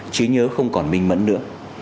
chí nhớ không còn minh mẫn nữa